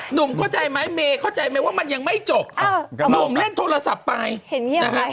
หนุ่มเข้าใจไหมเมเข้าใจไหมว่ามันยังไม่จบหนุ่มเล่นโทรศัพท์ไป